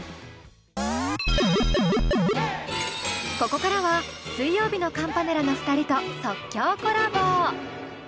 ここからは水曜日のカンパネラの２人と即興コラボ。